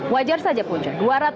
wajar saja punca